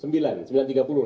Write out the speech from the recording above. jadi yang sebelumnya bukan